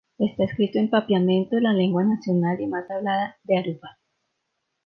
Está escrito en Papiamento, la lengua nacional y más hablada de Aruba.